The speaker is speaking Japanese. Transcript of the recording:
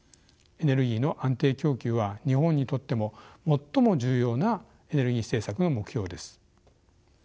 エネルギーの安定供給は日本にとっても最も重要なエネルギー政策の目標です。